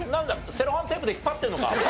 セロハンテープで引っ張ってるのか？